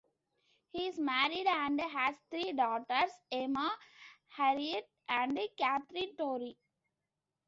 He is married and has three daughters, Emma, Harriet and Katherine Torry.